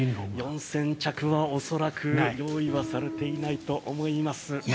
４０００着は恐らく用意はされていないと思います。